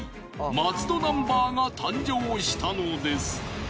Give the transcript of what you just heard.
松戸ナンバーが誕生したのです。